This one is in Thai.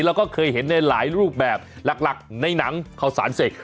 แล้วก็เคยเห็นในหลายรูปแบบหลักในหนังข่าวสารเสก